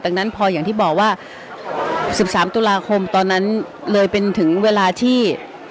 ดังนั้นพออย่างที่บอกว่า๑๓ตุลาคมตอนนั้นเลยเป็นถึงเวลาที่